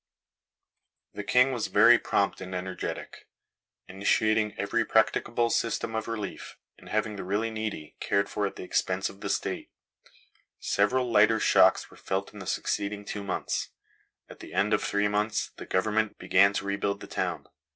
The King was very prompt and energetic, initiating every practicable system of relief, and having the really needy cared [Illustration: EARTHQUAKE AT LISBON.] for at the expense of the State. Several lighter shocks were felt in the succeeding two months. At the end of three months the Government began to rebuild the town.